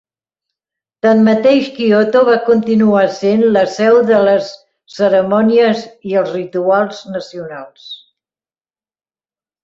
Tanmateix, Kyoto va continuar sent la seu de les cerimònies i els rituals nacionals.